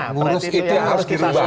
ngurus itu harus kita selesaikan